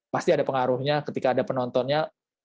pasti ada pengaruhnya ketika ada penontonnya